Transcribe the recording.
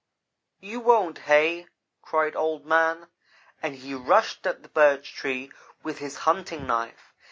"'You won't, hey?' cried Old man, and he rushed at the Birch Tree with his hunting knife.